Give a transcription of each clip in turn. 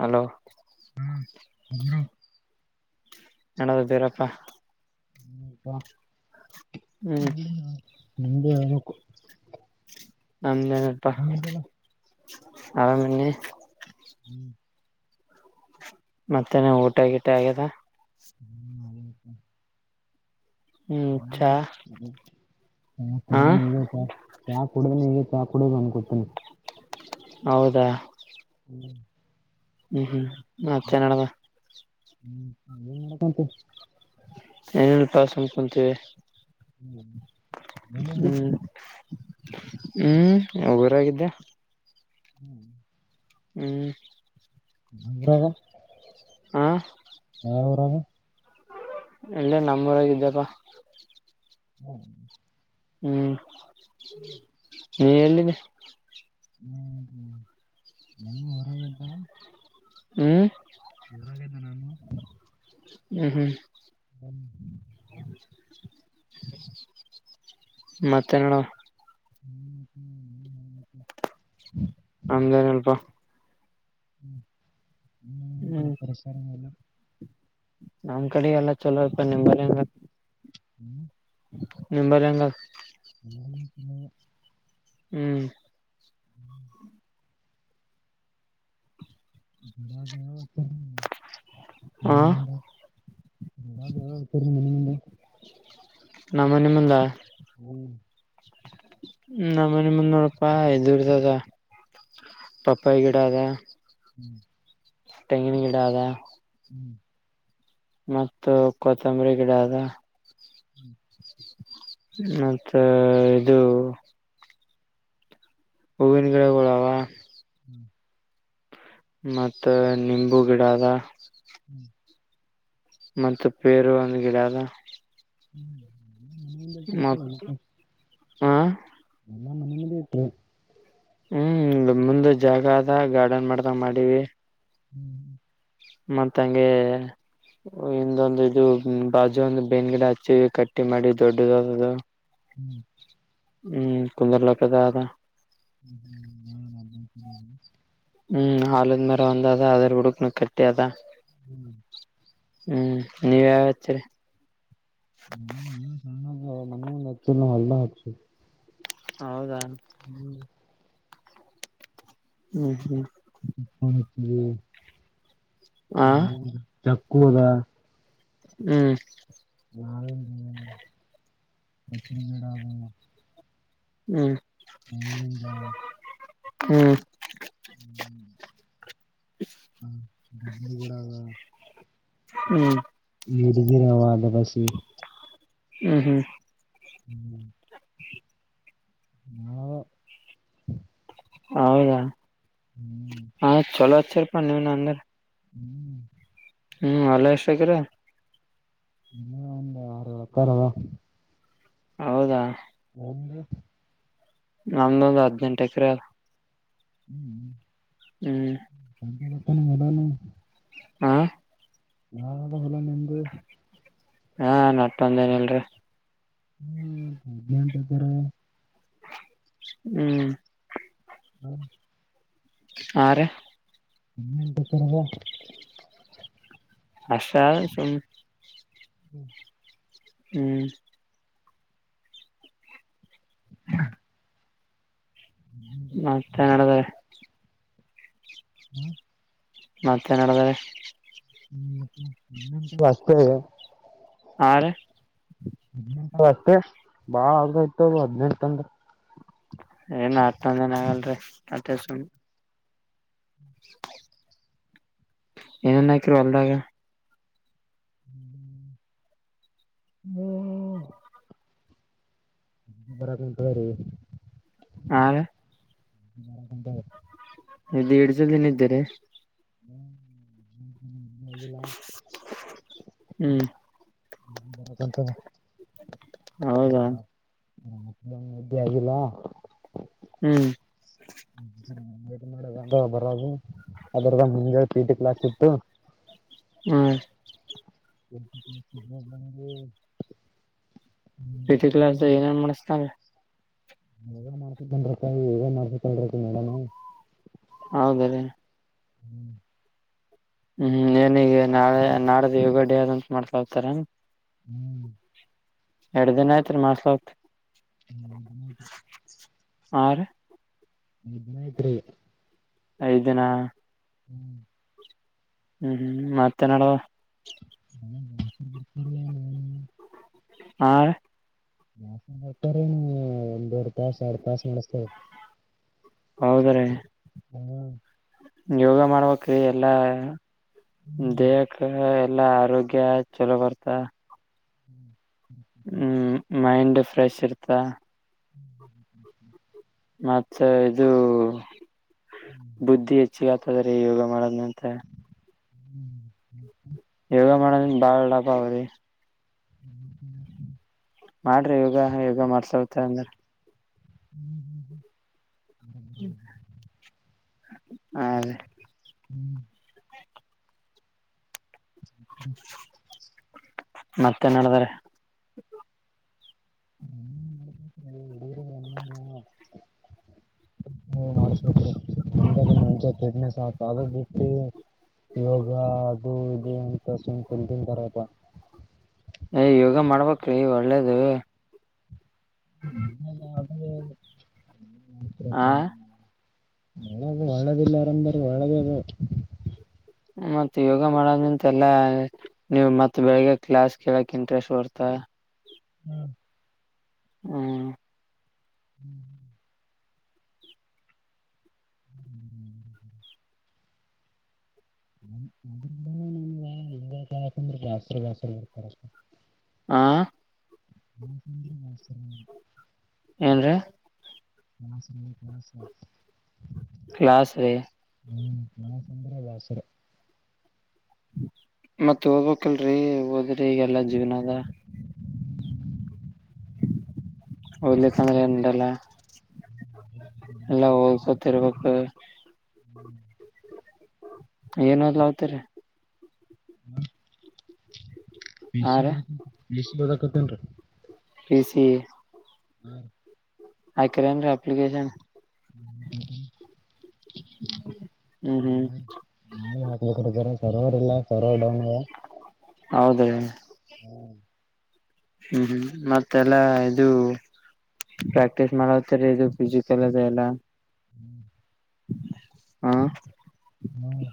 Hello ಹ್ಮ ಹ ನನದ್ದೀರಪ್ಪಾ ಹ್ಮ ಹ್ಮ ಹಾ ಹ್ಮ್ ನಿಜ ನ ನಮ್ದೇನಪ್ಪಾ ಅವರಾಮನ್ನಿ ಹ್ಮ್ ಮತ್ತೆನ ಊಟ ಗಿಟ ಆಗ್ಯದ ಹ್ಮ್ ನಳ ಹ್ಮ್ ಹ ಚಾ ಮಾಡ ಹ ಕು ನೀಯತಾ ಕುಡ ಈಗ ಚಾ ಕುಡ ಅಂದಕೊತೀನಿ ಹೌದಾ ಹ್ಮ ಹ್ಮ್ ಹ್ಮ್ ಮತ್ತೆ ನಡದ ಹ್ಮ್ಂತೆ [unintelligible] ಏನೇನು ಪಸ್ ಹಮ್ಕೊಂತೀವಿ ಹ್ಮ ಮೇನುಟ [unintelligible] ಹ್ಮ್ ಹ್ಮ್ ಉರಗಿದ್ದೆ ಹ್ಮ್ ಹ್ಮ್ ಹ್ರ [unintelligible] ಹ ಅವರಾಮ ಂಬರಗಿದ್ದಪ್ಪ ಹ್ಮ ಹ್ಮ್ ಹ [unintelligible] ನೀ ಎಲ್ಲಿದ್ದ ಹ್ಮ್್ಮ ಇನ್ನೂ ಹೊರಗೆ್ದಾ [unintelligible] ಹ್ಮ್ ಹ್ಮ್ ಹ್ಮ್ ಹ್ಮ [unintelligible] ಮತ್ತೆ ನೋಡ ಹ್ಮ್ ಹ್ಮ್ ಹ್ಮ ಹ ನಮ್ದೇನಲ್ಪ ಹ್ಮ್ ಹ್ಮ್ೂಡೆ ಹ್ಮ್ ಪಷರ ನಮ್ ಕಡೆ ಎಲ್ಲ ಚಲೋ ಇಪ್ಪ ನಿಮ್ಗಂಗ ಹ್ಮ್ ನಿಂಬಯಂಗ ಮೂ ಹ್ಮ್ ಹ್ಮ್ ಬಡ ಗತ್ತ ಹ ಹ ಎ ನಮ್ಮನೆಮ್ಮಲ್ಲ ಹ್ಮ್ ನನೆ ಮುಂದ ನೋಡಪ್ಪ ಇದದುರ್ದದ ಪಪ್ಪ ಈ ಗಿಡ ಅದ ಹ್ಮ್ ತೆಂಗಿನ ಗಿಡದಾ ಮತ್ತು ಕೊತ್ತಂಬರಿ ಗಿಡ ಅದ ಹ್ಮ್ ಮತ್ತೆ ಇದು ಹೂವಿನ ಗಿಡೆಗಳಳಾವ ಹ್ಮ್ ಮತ್ತ ನಿಂಬು ಗಿಡ ಅದ ಹ್ಮ್ ಮತ್ತೆ ಪೇರು ಒಂದ ಗಿಡ ಅದ ಹ್ಮ್ ಮತ್ತುತ್ತ ಹಾ ಎಲ್ಲ ಮನೆ ಮುಂದ ಆತ್ತು ಹ್ಮ್ ಮುಂದ ಜಾಗ ಅದ ಗಾರ್ಡನ್ ಮಾಡ್ದ ಮಾಡೀ ಹ್ಮ್ ಮತ್ತ ಹಂಗೆ ಇಂದೊಂದು ಇದು ಬಾಜು ಒಂದು ಬೆೇನ್ಗಿಡ ಹಚ್ಚಿ ಕಟ್ಟಿ ಮಾಡಿ ದೊಡ್ಡದಾದದು. ಹ್ಮ್ ಹ್ಮ್ ಕುಂದರ್ಲಕ್ಕದ ಅದ ಹ್ಮ ಹ್ಮ ಬ ಹ್ಮ್ ಹಾಲದ್ ಮೇರ ಒಂದ್ ಅದ ಅದ ಹುಡುಕ್ನು ಕಟ್ಟ ಅದ [unintelligible] ಹ್ಮ್ ನೀವ ಯಾವತರಿ ಮನೆ ನತ ಹಲ್ ಹಸ ಹೌದಾ ಹ್ಮ್ ಹ್ಮ್ ಹ್ಮ್ ಹ [unintelligible] ಹ ಕೂದಾ ಹ್ಮ್ ಕಚ ಬಡಬ ಹ್ಮ್ ನಿನ್ನಂತ ಹ್ಮ್ ಹ್ಮ ಹ್ಮ ಗರ ಹ್ಮ್ ಇಡಿಗೆರವ ಅಲ್ಲ ಬಸಿ ಹ್ಮ್ ಹ್ಮ್ ಹ್ಮ್ ನಾ ಹೌದಾ ಹಾ ಚಲೋ ಅ ಸರ್. ಪ ನೀ ನ ಅಂದರೆ ಹ್ಮ್ ಹ್ಮ್ ಅಲ್ಲ ಎಷ್ಟ ಆಕರ ಇ ಒ ಆರುಳಕ್ಕಾರವಾ ಹೌದಾ ಒಂದು ನಮ್ದೊಂದು ಹದ್ನೆೆಂಟು ಎಕರೆ ಹ್ಮ್್ಮ ಹ್ಮ್ ಸಂ [unintelligible] ಮದಾನ ಹಾ ನಾ ಹಲ ನಿೆಂದು ಹಾ ನಟ್ೊಂದೇನಲ್ರಿ ಹ್ಮ ಅಂತ ಬರ ಹ್ಮ್ ಹ್ಮ ಆ ಹಕ್ಕರದ [unintelligible] ಹಸಾ ಸ [unintelligible] ಹ್ಮ್ ಹ್ಮ್ [unintelligible] ಮತ್ತೆ ನಡದಾರೆ ಹ್ಮ ಮತ್ತೇ ನಡಿದಾರೆ ಹ್ಮ ವಾಸತ ಹಾ ರ ಹದ್ಿನಂಟ ಅಷ್ಟೇ ಬಾಳ್ ಆಗಾಯ್ತ ಅದು ಹದ್ಿನೆಂಟ ಅಂದ್ರೆ ಏನ್ ಹತ್ೊಂದ್ ಜನ ಆಗಲ್ರಿ ಅತ್ತೆ ಸುಮಿ ಹ ಏನನ್ನ ಹಕರು ಅಲ್ದಾಗ ಹ್ಮ್ ಹ್ಮ್ ಬರ ಗಟ ರ ಹಾ ರ ಹಟ ಅದು ಎಡ್ ಜಲ್ ಏನ ಇದ್ದಾರೆ ಹ್ಮ್ ಹ್ಮ್ಿಲ್ಲಂತ ಹ ಹೌದಾ ಮ್ದ ಆಗಿಲ್ಲ ಹ್ಮ್ ಅ ಬರದು ಅದ್ರದ ಮುಂಜ ಪೀಟಿ ಕ್ಲಾಕ್ ಇಟ್ಟು ಹ್ಮ್ ಹ್ಮ್ಮ್ ಪ್ರೀತಿ ಕ್ಲಾಸ್ ಏನೇನ್ ಮಾಡಸ್ತನ್್ರೀ ಹಗ ಮಾಡ್ಸ ಬನ್್ರತ ಹೇಗ ಮಾಡ್ಸಲ್ತಿ ಮೇಡಾನ ಹೌದ ರೀ ಹ್ಮ್ ಹ್ಮ್ ಏನಿಗೆ ನಾಳೆ ನಾಳ್ದ ಯೋಗ ಡೇ ಆದಂತ ಮಾಡ್ಕಾತಾರ ಹ್ಮ್ ಎರಡ್ ದಿನ ಆಯ್ತ್ರಿ ಮಾಡಸಲತ್ ಹ್ಮ ಆ ನಿಿನ ಇತ್ರ ಐ ದಿನ ಹ್ಮ್ ಹ್ಮ್ ಹ್ಮ್ ಮತ್ತೆ ನಡುವ ಕೆ [unintelligible] ಹ ತಾರೆ ಒಂದಂದು ದೊಡ್ ತಾಸ ಎಡ್ ತಸ್ ನಮಸ್ತೆಕಾರ ಹೌದ್ರಿ ಹ್ಮ ಯೋಗ ಮಾಡ್ಬೇಕಕ್್ರೀ ಎಲ್ಲಾ ದೇಕ ಎಲ್ಲ ಆರೋಗ್ಯ ಚಲೋ ಬರ್ತ ಹ್ಮ್ ಹ್ಮ್ ಮೈಂಡ್ ಫ್ರೆಶ್ ಇರ್ತಾ ಹ್ಮ ಮತ್ತೆ ಇದು ಬುದ್ಧಿ ಹಚ್ಚ ಹದರಿ ಯೋಗ ಮಾಡದ್ನಂತ ಹ್ಮ್ ಹ್ಮ ಯೋಗ ಮಾಡದ ಬಾಳ್ ಡಪ ಅವ್ರಿ ಹ್ಮ ಮಾಡ್ರಿ ಯೋಗ ಯೋಗ ಮಾಡ್ಸಲ್ತ ಅಂದ್ರ ಹ್ಮ್ ಹ್ಮ್ ಹ್ಮ ಹದೇ ಗೆ ಹ ಹ್ಮ ಮತ್ತೆ ನಡ್ದಾರೆ ಹ ಕೆ ಹಂಚ ಫಿಟ್ನೆಸ್ ಆತ ಅದು ಬಿಟ್ಟು ಯೋಗ ಅದು ಇದೆ ಅಂತ ಸುಮ್ ತಿಲ್ನ್ಂತರಪ್ಪ ಏ ಯೋಗ ಮಾಡ್ಬೇಕ್ರಿ ಒಳ್ಳೇದು ಹ್ಮ ಅದ ಗೆ ಆ ಒಳ್ಳದು ಒಳ್ಳೇದಿಲ್ಲ ಆರಂಬರಿ ಒಳ್ಳದ ಅದು ಮತ್ ಯೋಗ ಮಾಡದ್ ನಿಂತ ಎಲ್ಲಾ ನೀವು್ ಮತ್ ಬೆಳಿಗ್ಗೆ ಕ್ಲಾಸ್ ಕೇಳಕ್ ಇಂಟ್ರೆಸ್ಟ್ ಬರ್ತ ಹ್ಮ್ ಹ್ಮ್ ಹ್ಮ್ ಹ್ಮ್ ಹ್ಮ್ ಅದ ನಮಗೆ ಇಗಕಂದ್ರೆ ದಸ್ತ್ರ ವಸ್ರು ಬರ್ತಾರಷ್ಟ ಆ ನಂದರ ಮಸರ ್ರ ಹ ಸಸ ಕ್ಲಸ್ ರ ಹ್ಮ್ ಮಾ ಸಂದರ ಬಾಸರ ಮತ್ತತ್ ಓದ್ಬೇಕಲ್ರರಿ ಓದಿ ಈಗೆಲ್ಲ ಜೀವನದ ಹಲಿಕ್ಕಂದ್ರೆ ಎಟಲ್ಲ ಎಲ್ಲಾ ಹೋಗೋಗಸೊತಿರ್ಬೇಕಕ್ [unintelligible] ಏನದ್ಲ ಹಾವತರಿ ಹಾ ರೀ [unintelligible] [inaudible] ಹತೇನ್ ರೀ [unintelligible] [inaudible] ಹ್ಮ್ ಆಕ್ರ ಏನ್ [unintelligible] ಅಪ್ಲಿಕೇಶನ್ [unintelligible] ಹ್ಮ್ ಹ್ಮ್ ನ ಹಾಗಾಗಲಿ ಕಡೆ ಜರ ಸರ್ವರ್ ಇಲ್ಲ ಸರ್ವರ್ ಡೌನ್ ಹೌದ ಹ್ಮ್ ಹ್ಮ್ ಮತ್ತೆಲ್ಲಾ ಇದು ಪ್ರಾಕ್ಟೀಸ್ ಮಾಡತಾರೆ ಇದು ಫಿಸಿಕಲ್ ಅದೆ ಎಲ್ಲ ಹ್ಮ್ ಹಾ ಹ್ಮ್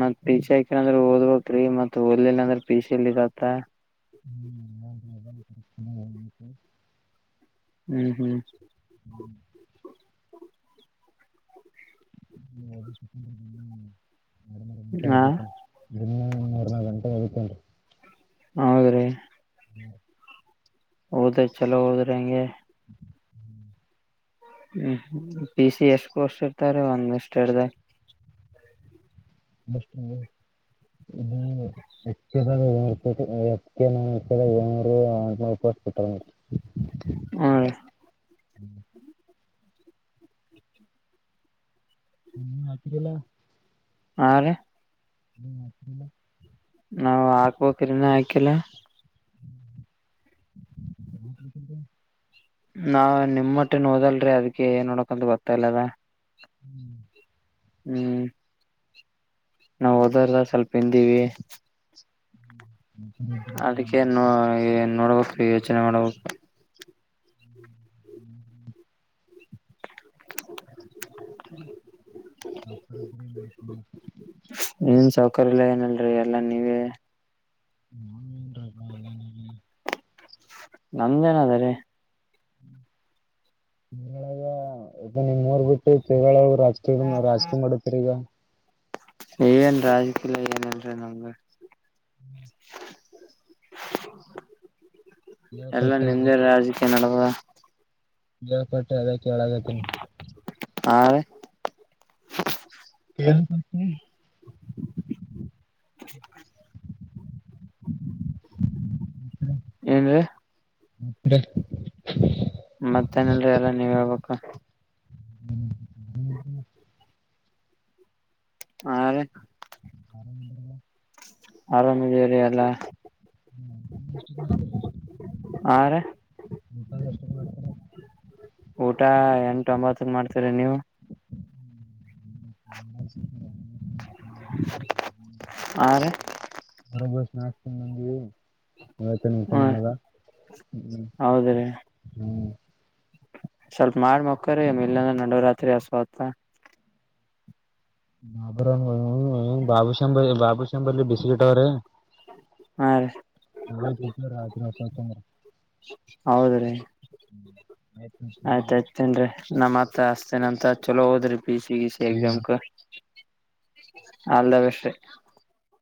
ಮತ್ತ ಈರೆ [unintelligible] ಓದ್ಬೇಕ್ರೀ ಮತ್ತ [unintelligible] ಲಲ್ಲ ಅಂದ್ರೆ ಪಿಸಿಲ್ ಇದತ್ತ ಹ್ಮ್ ಹ್ಮ್ ಹ್ಮ್ ಹ ಹ್ಮ್ ಹಾ ನಡಬತ್ತೆ [unintelligible] ಮೂರ್ ನಾಲ್ಕು ಗಂಟೆ ಹೋಗತ್ತೇನ್ರಿ ಹೌದ್ರೀ ಹ್ಮ್ ಹೌದ್ರಿ ಚಲೋ ಹೋದ್ರಿ ಹಂಗೆ ಹ್ಮ್ ಪ ಸಿ ಎಷ್ಟ್ ಕೋರ್ಸ್ಟ್ ಇರ್ತಾರೆ ಒಂದ್ ಇಷ್ಟ ಎರ [unintelligible] [unintelligible] ಷ್ಟ ಹೆಯ ಏಳ್ನೂರುನೂಪಾಯಿ ಬಿಟ ಹ್ಮ್ ರೀ ಹ್ಮ ನಟಲ್ಲ [unintelligible] ಹ ಇಲ್ಲ [unintelligible] ನಾವವು ಹಾಕ್ಬೇಕ್ರ ಇನ್ನ ಹಾಕಿಲ್ಲ ನ [unintelligible] ನಾವ ನಿಮ ಮಟ್ಟೆ ನೋದಲ್ರಿ ಅದಕ್ಕೆ ಏನ್ ನೋಡಕಂತ ಗೊತ್ತಾ ಇಲ್ಲ ಅದ ಹ್ಮ್ ಹ್ಮ್ ನಾವವು ಹೋದಾರದ ಸ್ವಲ್ಪ ಹಿಂದಿವವಿ ಹ್ಮ್ ಅದಕ್ಕೆ ನ ನೋಡ್ಬೇಕ ಪ್ರಯೋಜನ ಮಾಡ ಹ್ಮ್ ಹ್ಮ ಹ್ಮ ಹ್ಮ್ಮ ಹ ಆಫರ್ಬ ಹ್ಮ್ ರಿ ಎಲ್ಲ ನೀವೇ ಹನ್ ಎಲ್ಲ ನೀ ನಮ್ದೇಏನ ಅದಾರೋ ನಿಳಗ ಈಗ ನಿಮ್ ಮೂರ್ ಬಿಟ್ಟು ತಳ ರಾಜಕೀಯ ರಾಜಕೀಯ ಮಾಡತರಿ ಈಗ ಏನ್ರ ರಾಜಕೀಲ ಏನನ್ರೀ ನಂಗಗೆ ಹ್ಮ್ ಎಲ್ಲಾ ಕೇಳ್ಪಟ್ಟೆ ನಿಮ್ದೆ ರಾಜಕೀಯ ನಡದ ಇಪಟ್ಟೆ ಅದಕ್ಕೆಗತನ ಹಾ [unintelligible] ಏನ್ ಮತ್ತ ಮತ್ತೇನಲ್ರಿ ಎಲ್ಲ ನೀವ್ ಹೇಳ್ಬೇಕ ಹ್ಮ್ ಹಾ ಆರಾಮ ಇದೀರಿ ಎಲ್ಲ ಆ ರೀ ಹಟ ಊಟ ಎಂಟ ಒಂಬತ್ತನ್ ಮಾಡ್ತೀರಿ ನೀವು ಹ್ಮ ಆ ನಾಕಕಂದಗೆ ನತ ಊಟ ಹ್ಮ ಮಾಡದ ಹ್ಮ ಹೌದ್ರಿ ಹ್ಮ್ ಸ್ವಲ್ಪ ಮಾಡ ಮುಕ್ಕರ ಇಲ್ಲಂದ್ರ ನಡವ ರಾತ್ರಿ ಹಸುತ ಬರ ಬಾಬು ಸಂಂಬ ಬಾಬು ಸಂಂಬರ್ಲಿ ಬಿಸಿಗಟ್ಟವ್ರ ಹಾ ರೀ ರಾತ್ರಿ ಹೊಸ ತಂದ್ರ ಹೌದ್ರೀ ಆಯ್ತಾಯಯ್ತತೇನ್ರಿ ನಮ್ಮತ್ರ ಅಷ್ಟತೇನಂತ ಚಲೋ ಅದ್ರ ಪ ಸಿಗೆ ಸಿ ಹ್ಮ್ ಎಗ್ಜಾಮ್ ಕ ಅಲ್ಲದ ಬಷ